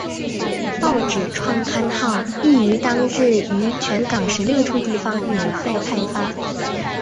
报纸创刊号亦于当日于全港十六处地方免费派发。